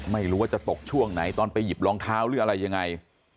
ไม่รู้ว่าจะตกช่วงไหนตอนไปหยิบรองเท้าหรืออะไรยังไง